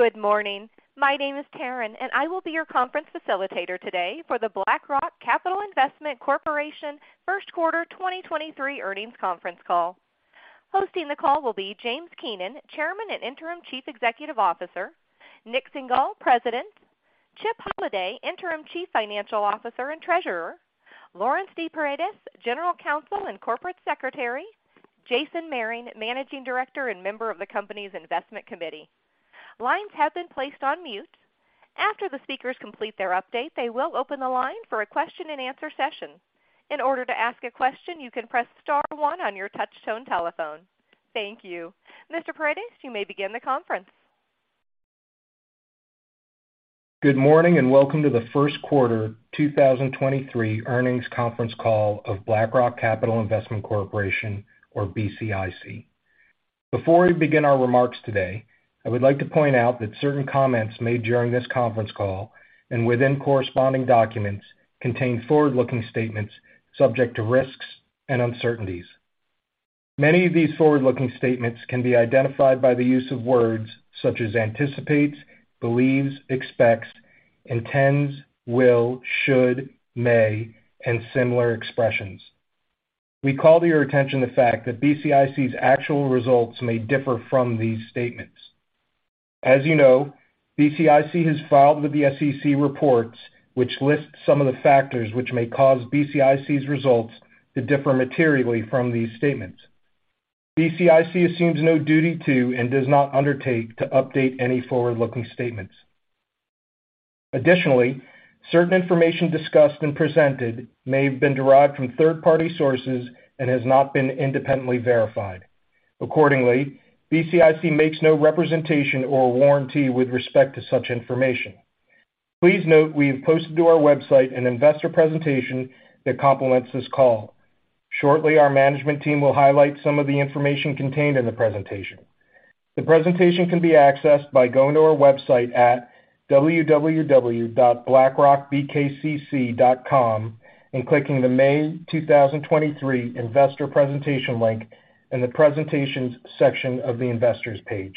Good morning. My name is Karen, and I will be your conference facilitator today for the BlackRock Capital Investment Corporation first quarter 2023 earnings conference call. Hosting the call will be James Keenan, Chairman and Interim Chief Executive Officer, Nik Singhal, President, Chip Holladay, Interim Chief Financial Officer and Treasurer, Laurence D. Paredes, General Counsel and Corporate Secretary, Jason Mehring, Managing Director and member of the company's investment committee. Lines have been placed on mute. After the speakers complete their update, they will open the line for a question-and-answer session. In order to ask a question, you can press star one on your touch-tone telephone. Thank you. Mr. Paredes, you may begin the conference. Good morning, and welcome to the first quarter 2023 earnings conference call of BlackRock Capital Investment Corporation, or BCIC. Before we begin our remarks today, I would like to point out that certain comments made during this conference call and within corresponding documents contain forward-looking statements subject to risks and uncertainties. Many of these forward-looking statements can be identified by the use of words such as anticipates, believes, expects, intends, will, should, may, and similar expressions. We call to your attention the fact that BCIC's actual results may differ from these statements. As you know, BCIC has filed with the SEC reports which list some of the factors which may cause BCIC's results to differ materially from these statements. BCIC assumes no duty to and does not undertake to update any forward-looking statements. Additionally, certain information discussed and presented may have been derived from third-party sources and has not been independently verified. Accordingly, BCIC makes no representation or warranty with respect to such information. Please note we have posted to our website an investor presentation that complements this call. Shortly, our management team will highlight some of the information contained in the presentation. The presentation can be accessed by going to our website at www.blackrockbkcc.com and clicking the May two thousand twenty-three investor presentation link in the presentations section of the investors page.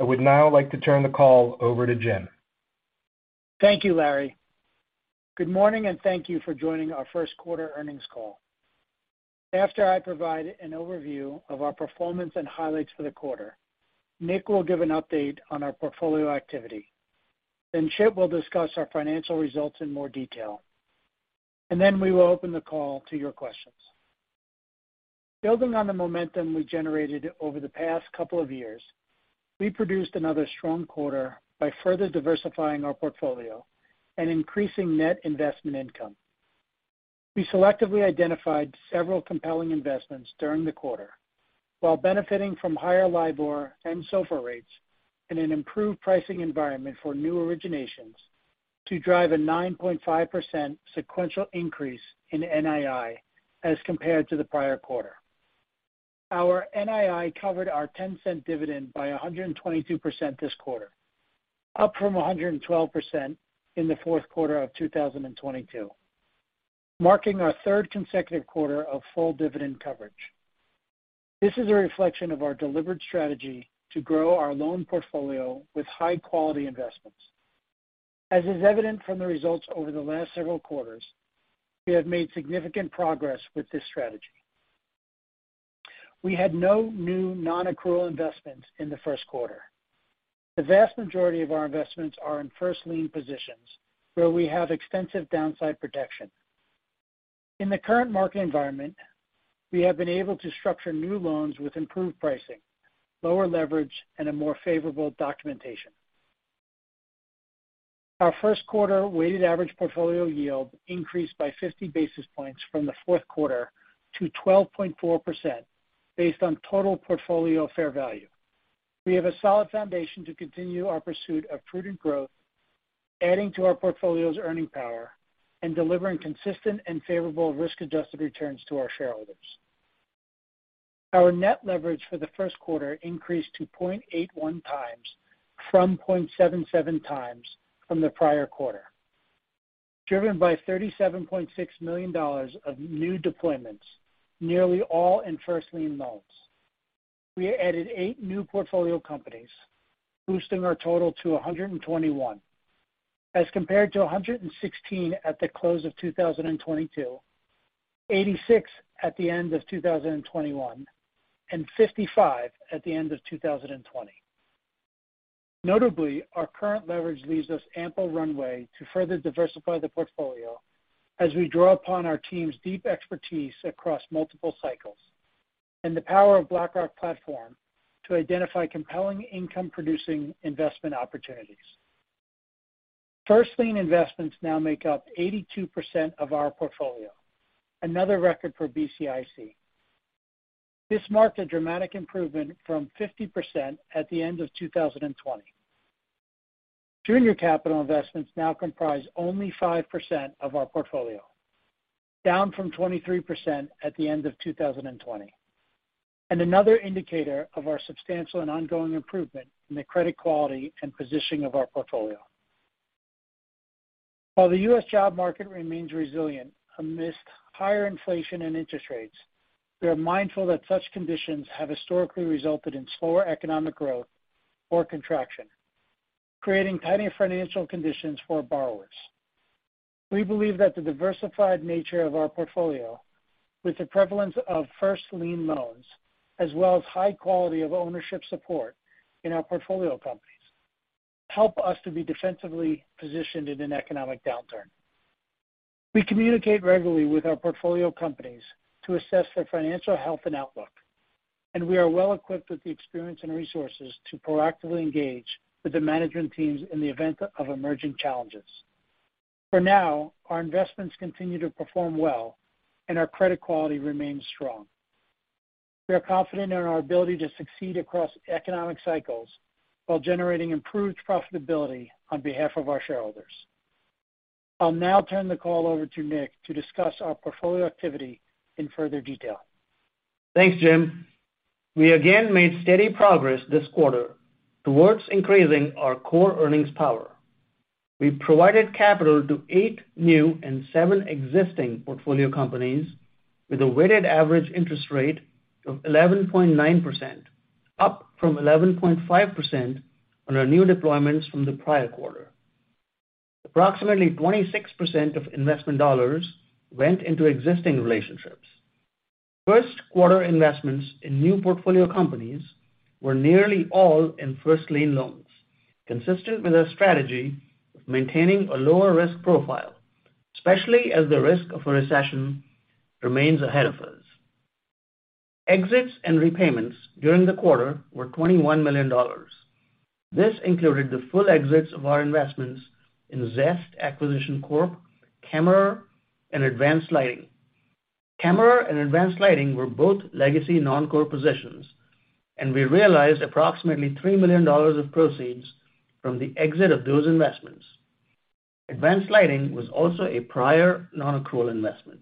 I would now like to turn the call over to Jim. Thank you, Larry. Good morning, and thank you for joining our first quarter earnings call. After I provide an overview of our performance and highlights for the quarter, Nik will give an update on our portfolio activity. Chip will discuss our financial results in more detail. We will open the call to your questions. Building on the momentum we generated over the past couple of years, we produced another strong quarter by further diversifying our portfolio and increasing net investment income. We selectively identified several compelling investments during the quarter while benefiting from higher LIBOR and SOFR rates and an improved pricing environment for new originations to drive a 9.5% sequential increase in NII as compared to the prior-quarter. Our NII covered our $0.10 dividend by 122% this quarter, up from 112% in the fourth quarter of 2022, marking our third consecutive quarter of full dividend coverage. This is a reflection of our deliberate strategy to grow our loan portfolio with high-quality investments. As is evident from the results over the last several quarters, we have made significant progress with this strategy. We had no new non-accrual investments in the first quarter. The vast majority of our investments are in first lien positions where we have extensive downside protection. In the current market environment, we have been able to structure new loans with improved pricing, lower leverage, and a more favorable documentation. Our first quarter weighted average portfolio yield increased by 50 basis points from the fourth quarter to 12.4% based on total portfolio fair value. We have a solid foundation to continue our pursuit of prudent growth, adding to our portfolio's earning power and delivering consistent and favorable risk-adjusted returns to our shareholders. Our net leverage for the first quarter increased to 0.81 times from 0.77 times from the prior-quarter. Driven by $37.6 million of new deployments, nearly all in first lien loans. We added eight new portfolio companies, boosting our total to 121, as compared to 116 at the close of 2022, 86 at the end of 2021, and 55 at the end of 2020. Notably, our current leverage leaves us ample runway to further diversify the portfolio as we draw upon our team's deep expertise across multiple cycles and the power of BlackRock platform to identify compelling income-producing investment opportunities. First lien investments now make up 82% of our portfolio, another record for BCIC. This marked a dramatic improvement from 50% at the end of 2020. Junior capital investments now comprise only 5% of our portfolio, down from 23% at the end of 2020. Another indicator of our substantial and ongoing improvement in the credit quality and positioning of our portfolio. While the U.S. job market remains resilient amidst higher inflation and interest rates, we are mindful that such conditions have historically resulted in slower economic growth or contraction, creating tighter financial conditions for borrowers. We believe that the diversified nature of our portfolio, with the prevalence of first lien loans, as well as high quality of ownership support in our portfolio companies, help us to be defensively positioned in an economic downturn. We communicate regularly with our portfolio companies to assess their financial health and outlook. We are well equipped with the experience and resources to proactively engage with the management teams in the event of emerging challenges. For now, our investments continue to perform well and our credit quality remains strong. We are confident in our ability to succeed across economic cycles while generating improved profitability on behalf of our shareholders. I'll now turn the call over to Nik to discuss our portfolio activity in further detail. Thanks, Jim. We again made steady progress this quarter towards increasing our core earnings power. We provided capital to eight new and seven existing portfolio companies with a weighted average interest rate of 11.9%, up from 11.5% on our new deployments from the prior-quarter. Approximately 26% of investment dollars went into existing relationships. First quarter investments in new portfolio companies were nearly all in first lien loans, consistent with our strategy of maintaining a lower risk profile, especially as the risk of a recession remains ahead of us. Exits and repayments during the quarter were $21 million. This included the full exits of our investments in Zest Acquisition Corp, Kamar, and Advanced Lighting. Kamar and Advanced Lighting were both legacy non-core positions, and we realized approximately $3 million of proceeds from the exit of those investments. Advanced Lighting was also a prior non-accrual investment.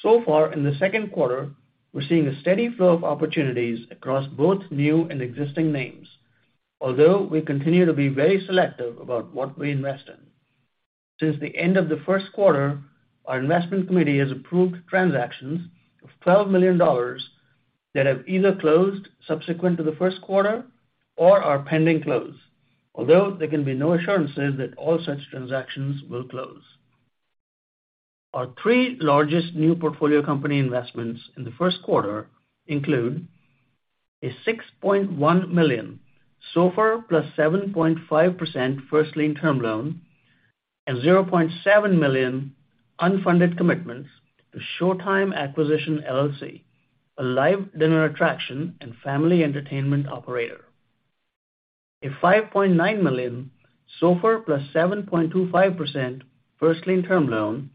So far in the second quarter, we're seeing a steady flow of opportunities across both new and existing names. We continue to be very selective about what we invest in. Since the end of the first quarter, our investment committee has approved transactions of $12 million that have either closed subsequent to the first quarter or are pending close, although there can be no assurances that all such transactions will close. Our three largest new portfolio company investments in the first quarter include a $6.1 million SOFR plus 7.5% first lien term loan and $0.7 million unfunded commitments to Showtime Acquisition LLC, a live dinner attraction and family entertainment operator. A $5.9 million SOFR plus 7.25% first lien term loan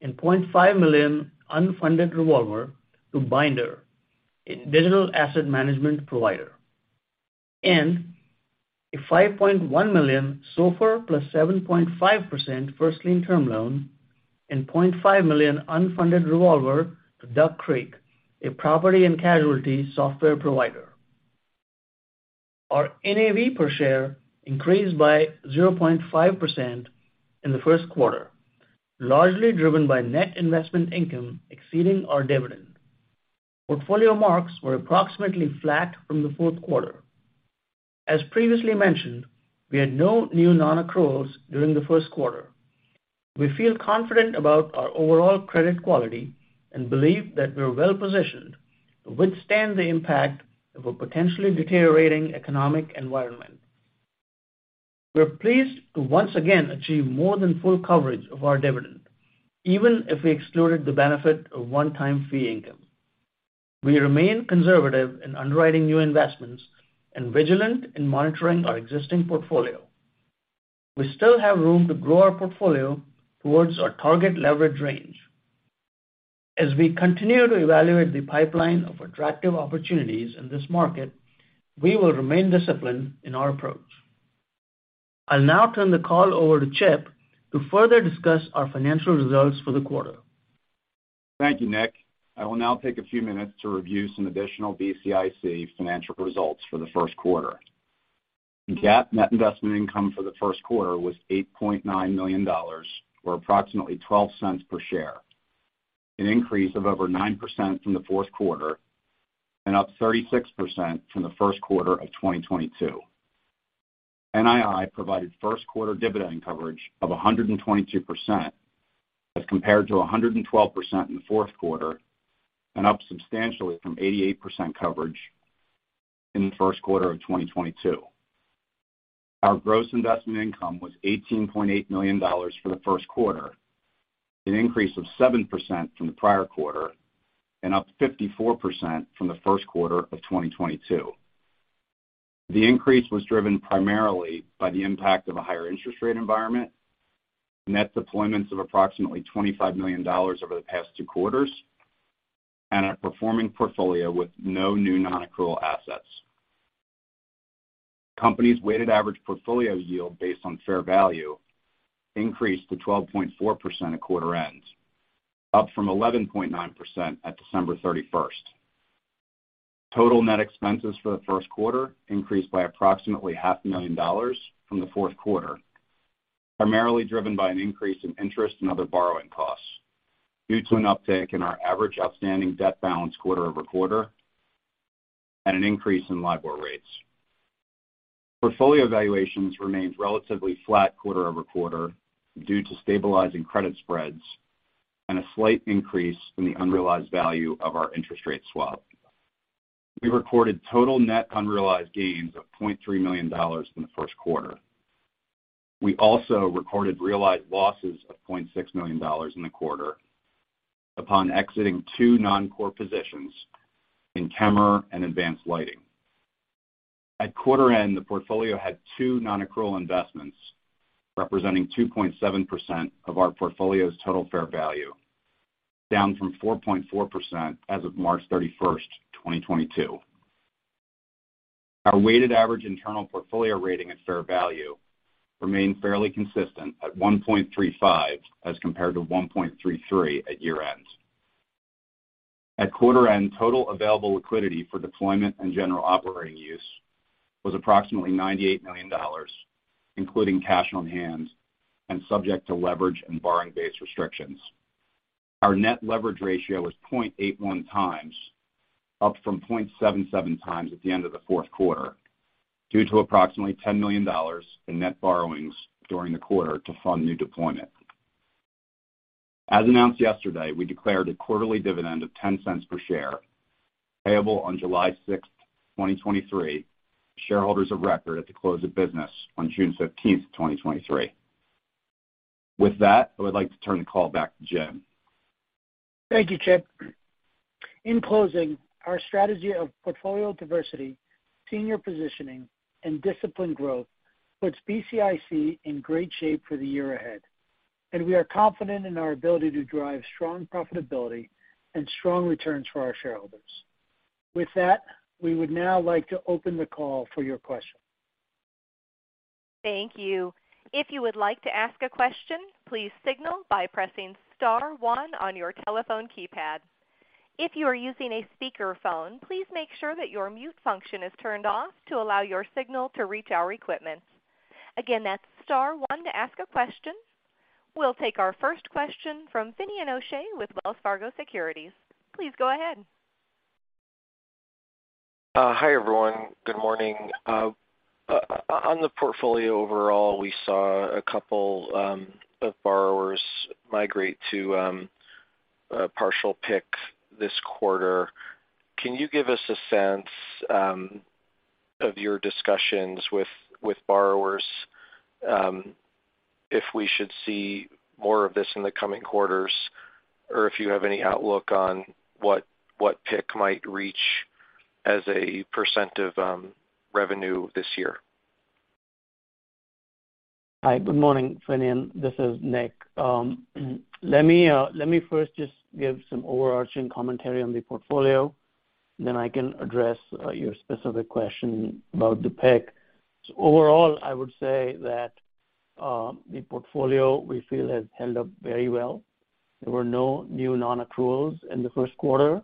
and $0.5 million unfunded revolver to Bynder, a digital asset management provider. A $5.1 million SOFR plus 7.5% first lien term loan and $0.5 million unfunded revolver to Duck Creek, a property and casualty software provider. Our NAV per share increased by 0.5% in the first quarter, largely driven by net investment income exceeding our dividend. Portfolio marks were approximately flat from the fourth quarter. As previously mentioned, we had no new non-accruals during the first quarter. We feel confident about our overall credit quality and believe that we're well-positioned to withstand the impact of a potentially deteriorating economic environment. We're pleased to once again achieve more than full coverage of our dividend, even if we excluded the benefit of one-time fee income. We remain conservative in underwriting new investments and vigilant in monitoring our existing portfolio. We still have room to grow our portfolio towards our target leverage range. As we continue to evaluate the pipeline of attractive opportunities in this market, we will remain disciplined in our approach. I'll now turn the call over to Chip to further discuss our financial results for the quarter. Thank you, Nik. I will now take a few minutes to review some additional BCIC financial results for the first quarter. GAAP net investment income for the first quarter was $8.9 million, or approximately $0.12 per share, an increase of over 9% from the fourth quarter and up 36% from the first quarter of 2022. NII provided first quarter dividend coverage of 122% as compared to 112% in the fourth quarter and up substantially from 88% coverage in the first quarter of 2022. Our gross investment income was $18.8 million for the first quarter, an increase of 7% from the prior-quarter and up 54% from the first quarter of 2022. The increase was driven primarily by the impact of a higher interest rate environment, net deployments of approximately $25 million over the past two quarters, and a performing portfolio with no new non-accrual assets. Company's weighted average portfolio yield based on fair value increased to 12.4% at quarter end, up from 11.9% at December 31st. Total net expenses for the first quarter increased by approximately half a million dollars from the fourth quarter, primarily driven by an increase in interest and other borrowing costs due to an uptick in our average outstanding debt balance quarter-over-quarter and an increase in LIBOR rates. Portfolio valuations remained relatively flat quarter-over-quarter due to stabilizing credit spreads and a slight increase in the unrealized value of our interest rate swap. We recorded total net unrealized gains of $0.3 million in the first quarter. We also recorded realized losses of $0.6 million in the quarter upon exiting two non-core positions in Kamar and Advanced Lighting. At quarter end, the portfolio had two non-accrual investments representing 2.7% of our portfolio's total fair value, down from 4.4% as of March 31st, 2022. Our weighted average internal portfolio rating at fair value remained fairly consistent at 1.35 as compared to 1.33 at year-end. At quarter end, total available liquidity for deployment and general operating use was approximately $98 million, including cash on hand and subject to leverage and borrowing-based restrictions. Our net leverage ratio was 0.81x, up from 0.77 times at the end of the fourth quarter, due to approximately $10 million in net borrowings during the quarter to fund new deployment. As announced yesterday, we declared a quarterly dividend of $0.10 per share payable on July 6, 2023 to shareholders of record at the close of business on June 15th, 2023. With that, I would like to turn the call back to Jim. Thank you, Chip. In closing, our strategy of portfolio diversity, senior positioning, and disciplined growth puts BCIC in great shape for the year ahead, and we are confident in our ability to drive strong profitability and strong returns for our shareholders. With that, we would now like to open the call for your questions. Thank you. If you would like to ask a question, please signal by pressing star one on your telephone keypad. If you are using a speakerphone, please make sure that your mute function is turned off to allow your signal to reach our equipment. Again, that's star one to ask a question. We'll take our first question from Finian O'Shea with Wells Fargo Securities. Please go ahead. Hi, everyone. Good morning. On the portfolio overall, we saw a couple of borrowers migrate to partial PIK this quarter. Can you give us a sense of your discussions with borrowers, if we should see more of this in the coming quarters, or if you have any outlook on what PIK might reach as a % of revenue this year? Hi. Good morning, Finnian. This is Nik. let me first just give some overarching commentary on the portfolio, then I can address your specific question about the PIK. Overall, I would say that the portfolio we feel has held up very well. There were no new non-accruals in the first quarter.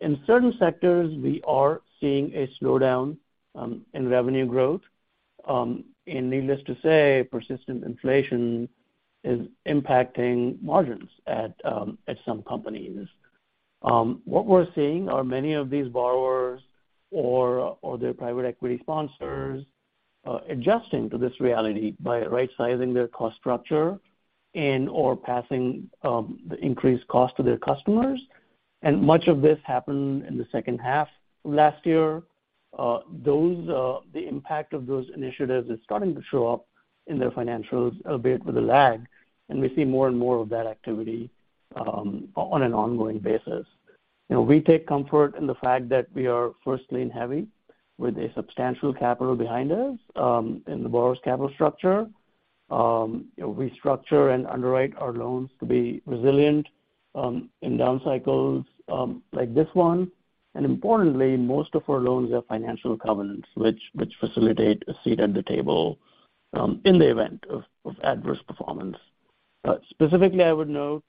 In certain sectors, we are seeing a slowdown in revenue growth. Needless to say, persistent inflation is impacting margins at some companies. What we're seeing are many of these borrowers or their private equity sponsors adjusting to this reality by rightsizing their cost structure and/or passing the increased cost to their customers. Much of this happened in the second half of last year. Those, the impact of those initiatives is starting to show up in their financials a bit with a lag, and we see more and more of that activity on an ongoing basis. You know, we take comfort in the fact that we are first lien heavy with a substantial capital behind us in the borrower's capital structure. We structure and underwrite our loans to be resilient in down cycles like this one. Importantly, most of our loans have financial covenants which facilitate a seat at the table in the event of adverse performance. Specifically, I would note,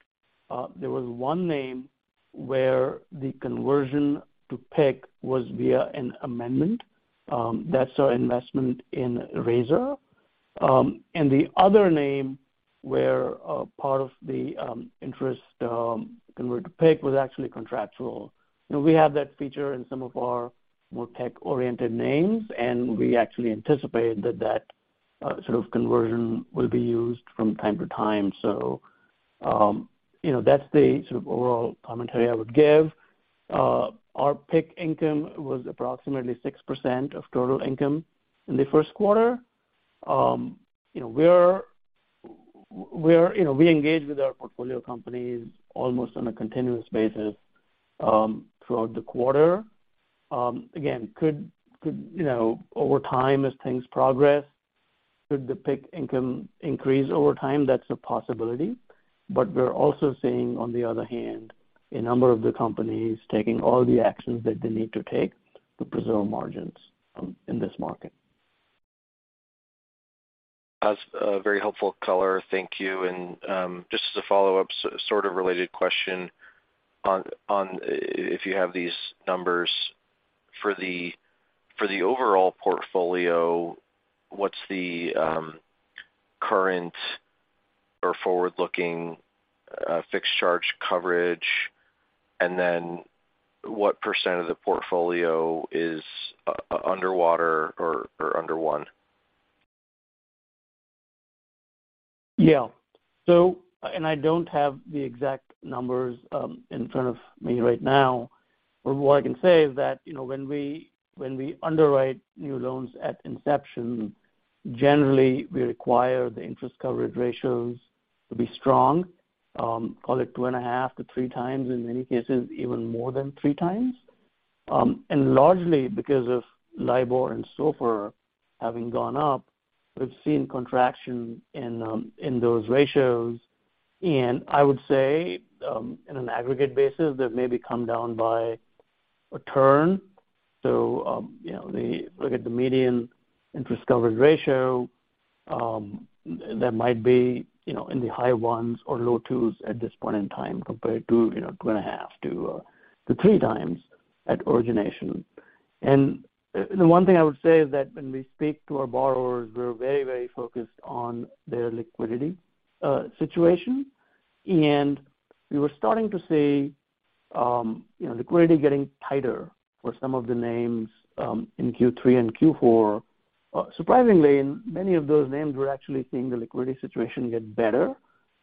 there was one name where the conversion to PIK was via an amendment, that's our investment in Rezore. The other name where part of the interest converted to PIK was actually contractual. You know, we have that feature in some of our more tech-oriented names, and we actually anticipate that that sort of conversion will be used from time to time. You know, that's the sort of overall commentary I would give. Our PIK income was approximately 6% of total income in the first quarter. You know, we're, you know, we engage with our portfolio companies almost on a continuous basis throughout the quarter. Again, could, you know, over time as things progress, could the PIK income increase over time? That's a possibility. We're also seeing, on the other hand, a number of the companies taking all the actions that they need to take to preserve margins in this market. That's a very helpful color. Thank you. Just as a follow-up, sort of related question on if you have these numbers for the overall portfolio, what's the current or forward-looking fixed charge coverage? What percent of the portfolio is underwater or under 1? Yeah. I don't have the exact numbers in front of me right now. What I can say is that, you know, when we underwrite new loans at inception, generally we require the interest coverage ratios to be strong, call it 2.5-3 times, in many cases even more than 3 times. Largely because of LIBOR and SOFR having gone up, we've seen contraction in those ratios. I would say, in an aggregate basis, they've maybe come down by a turn. You know, we look at the median interest coverage ratio that might be, you know, in the high 1s or low 2s at this point in time compared to, you know, 2.5-3 times at origination. The one thing I would say is that when we speak to our borrowers, we're very, very focused on their liquidity situation. We were starting to see, you know, liquidity getting tighter for some of the names in Q3 and Q4. Surprisingly, in many of those names, we're actually seeing the liquidity situation get better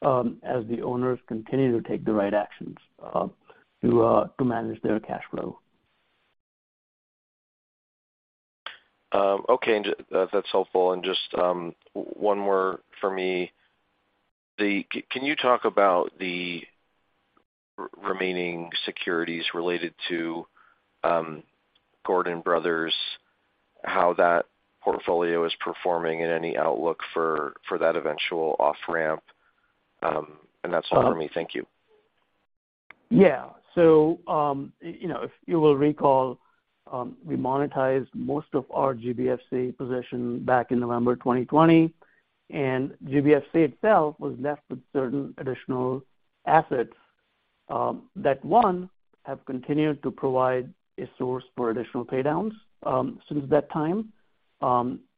as the owners continue to take the right actions to manage their cash flow. Okay. That's helpful. Just one more for me. Can you talk about the remaining securities related to Gordon Brothers, how that portfolio is performing, and any outlook for that eventual off-ramp? That's all for me. Thank you. Yeah. You know, if you will recall, we monetized most of our GBFC position back in November 2020, and GBFC itself was left with certain additional assets that, one, have continued to provide a source for additional paydowns since that time.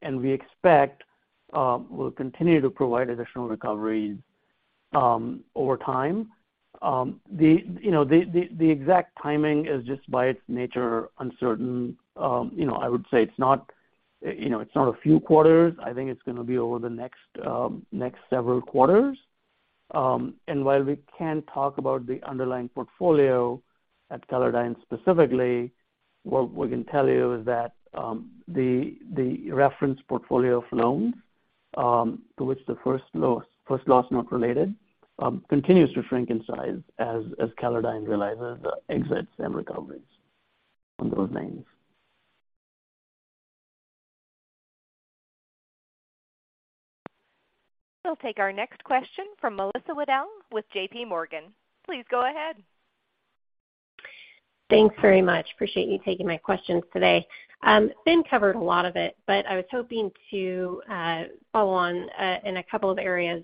We expect will continue to provide additional recoveries over time. The, you know, the exact timing is just by its nature uncertain. You know, I would say it's not, you know, it's not a few quarters. I think it's gonna be over the next several quarters. While we can talk about the underlying portfolio at Caladyne specifically, what we can tell you is that the reference portfolio of loans to which the first loss not related continues to shrink in size as Caladyne realizes the exits and recoveries on those names. We'll take our next question from Melissa Wedel with JP Morgan. Please go ahead. Thanks very much. Appreciate you taking my questions today. Finn covered a lot of it, but I was hoping to follow on in a couple of areas.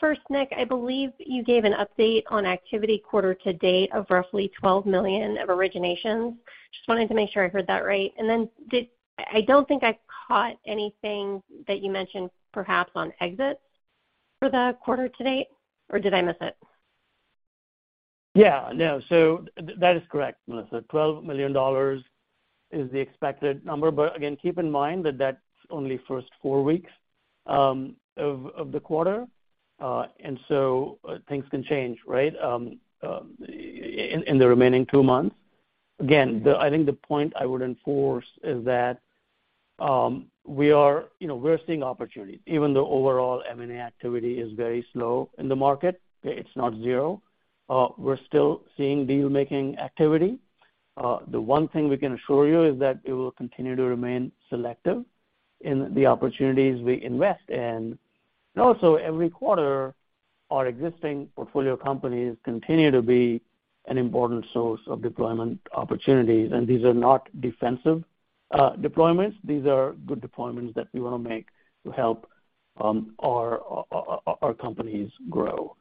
First, Nik, I believe you gave an update on activity quarter to date of roughly $12 million of originations. Just wanted to make sure I heard that right. I don't think I caught anything that you mentioned perhaps on exits for the quarter to date, or did I miss it? No. That is correct, Melissa. $12 million is the expected number. Again, keep in mind that that's only first four weeks of the quarter. Things can change, right, in the remaining two months. Again, I think the point I would enforce is that we are, you know, we're seeing opportunities. Even though overall M&A activity is very slow in the market, it's not zero. We're still seeing deal-making activity. The one thing we can assure you is that we will continue to remain selective in the opportunities we invest in. Also every quarter, our existing portfolio companies continue to be an important source of deployment opportunities. These are not defensive deployments. These are good deployments that we wanna make to help our companies grow.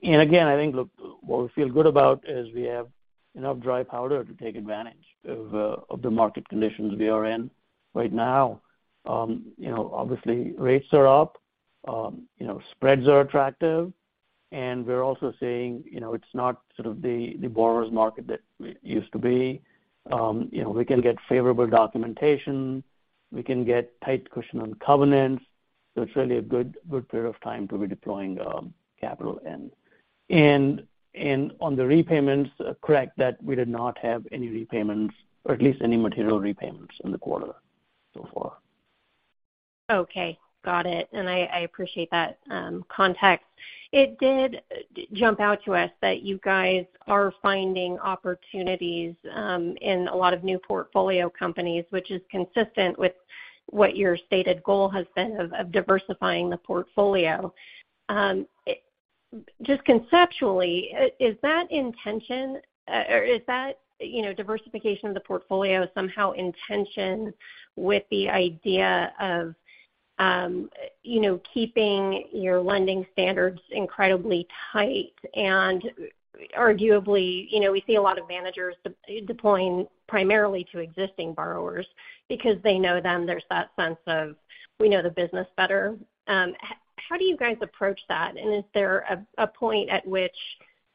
Again, I think look, what we feel good about is we have enough dry powder to take advantage of the market conditions we are in right now. You know, obviously rates are up. You know, spreads are attractive. We're also seeing, you know, it's not sort of the borrower's market that it used to be. You know, we can get favorable documentation. We can get tight cushion on covenants. It's really a good period of time to be deploying capital. On the repayments, correct that we did not have any repayments or at least any material repayments in the quarter so far. Okay. Got it. I appreciate that context. It did jump out to us that you guys are finding opportunities in a lot of new portfolio companies, which is consistent with what your stated goal has been of diversifying the portfolio. Just conceptually, is that intention, or is that, you know, diversification of the portfolio somehow intention with the idea of, you know, keeping your lending standards incredibly tight? Arguably, you know, we see a lot of managers de-deploying primarily to existing borrowers because they know them. There's that sense of we know the business better. How do you guys approach that? Is there a point at which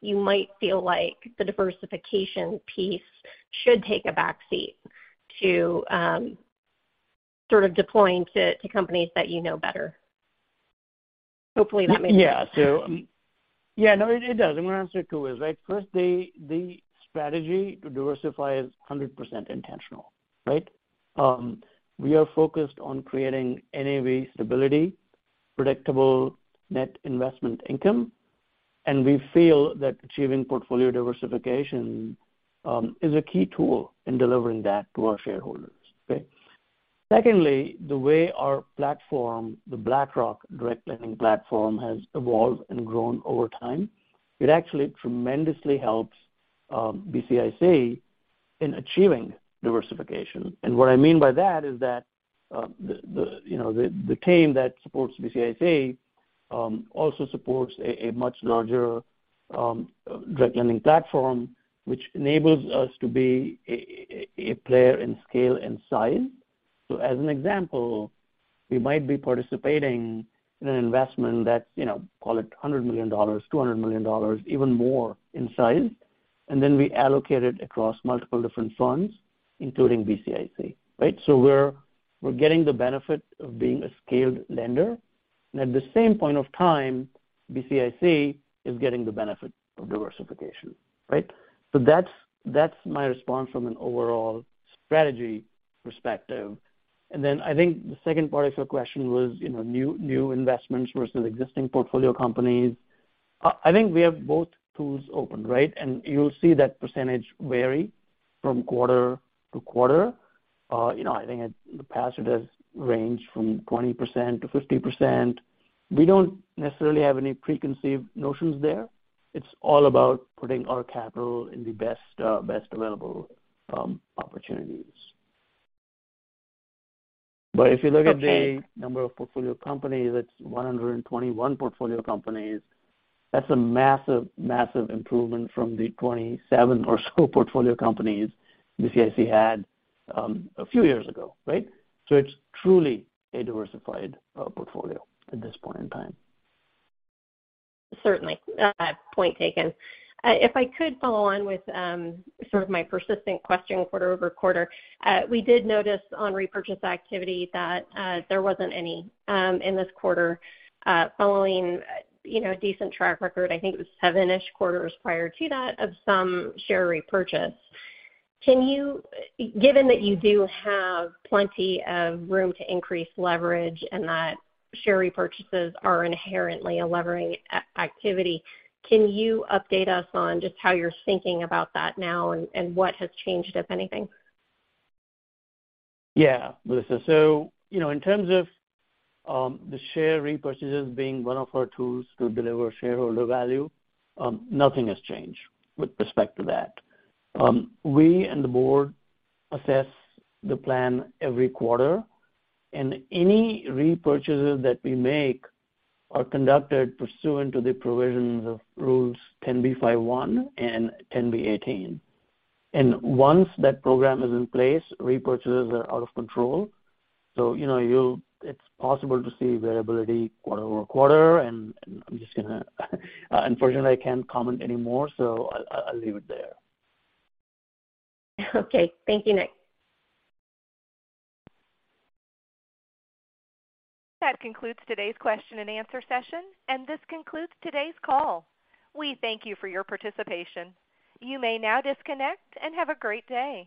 you might feel like the diversification piece should take a back seat to sort of deploying to companies that you know better? Hopefully that made sense. It, it does. I'm gonna answer two ways, right? First, the strategy to diversify is 100% intentional, right? We are focused on creating NAV stability, predictable net investment income, and we feel that achieving portfolio diversification is a key tool in delivering that to our shareholders, okay? Secondly, the way our platform, the BlackRock direct lending platform, has evolved and grown over time, it actually tremendously helps BCIC in achieving diversification. What I mean by that is that, you know, the team that supports BCIC also supports a much larger direct lending platform, which enables us to be a player in scale and size. As an example, we might be participating in an investment that's, you know, call it $100 million, $200 million, even more in size, and then we allocate it across multiple different funds, including BCIC, right? We're getting the benefit of being a scaled lender. At the same point of time, BCIC is getting the benefit of diversification, right? That's my response from an overall strategy perspective. Then I think the second part of your question was, you know, new investments versus existing portfolio companies. I think we have both tools open, right? You'll see that percentage vary from quarter-to-quarter. You know, I think in the past it has ranged from 20%-50%. We don't necessarily have any preconceived notions there. It's all about putting our capital in the best available, opportunities. If you look at the number of portfolio companies, it's 121 portfolio companies. That's a massive improvement from the 27 or so portfolio companies BCIC had, a few years ago, right? It's truly a diversified, portfolio at this point in time. Certainly. Point taken. If I could follow on with sort of my persistent question quarter-over-quarter. We did notice on repurchase activity that there wasn't any in this quarter, following, you know, a decent track record, I think it was seven-ish quarters prior to that, of some share repurchase. Given that you do have plenty of room to increase leverage and that share repurchases are inherently a levering activity, can you update us on just how you're thinking about that now and what has changed, if anything? Yeah. Melissa. You know, in terms of the share repurchases being one of our tools to deliver shareholder value, nothing has changed with respect to that. We and the board assess the plan every quarter, and any repurchases that we make are conducted pursuant to the provisions of Rule 10b5-1 and Rule 10b-18. Once that program is in place, repurchases are out of control. You know, it's possible to see variability quarter-over-quarter and Unfortunately, I can't comment any more, so I'll leave it there. Okay. Thank you, Nik. That concludes today's question and answer session, and this concludes today's call. We thank you for your participation. You may now disconnect and have a great day.